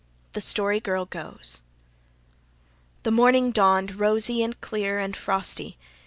THE STORY GIRL GOES The morning dawned, rosy and clear and frosty.